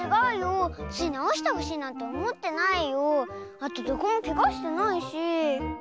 あとどこもケガしてないし。